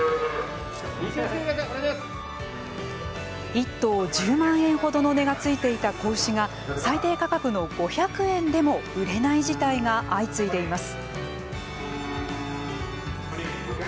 １頭１０万円ほどの値が付いていた子牛が最低価格の５００円でも売れない事態が相次いでいます。